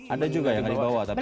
ada juga yang dibawa tapi